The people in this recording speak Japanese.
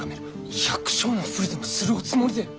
百姓のふりでもするおつもりで？